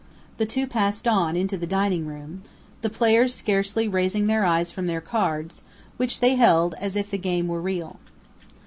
The two passed on into the dining room, the players scarcely raising their eyes from their cards, which they held as if the game were real.